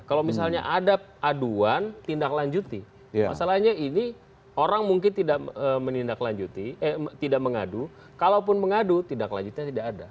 kalau misalnya ada aduan tindak lanjuti masalahnya ini orang mungkin tidak menindaklanjuti eh tidak mengadu kalaupun mengadu tindak lanjutnya tidak ada